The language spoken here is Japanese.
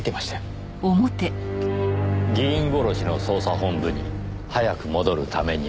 議員殺しの捜査本部に早く戻るためには。